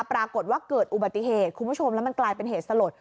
ปรากฏว่าเกิดอุบัติเหตุคุณผู้ชมแล้วมันกลายเป็นเหตุสลด